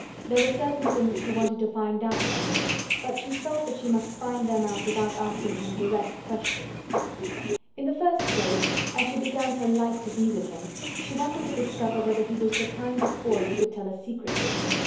There were certain things she wanted to find out from him, but she felt that she must find them out without asking him direct questions. In the first place, as she began to like to be with him, she wanted to discover whether he was the kind of boy you could tell a secret to.